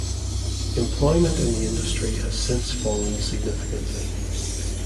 Employment in the industry has since fallen significantly.